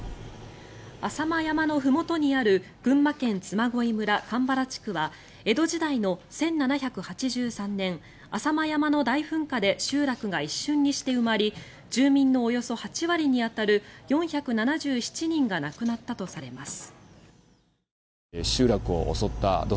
浅間山のふもとにある群馬県嬬恋村鎌原地区は江戸時代の１７８３年浅間山の大噴火で集落が一瞬にして埋まり住民のおよそ８割に当たる４７１人が亡くなったとされます。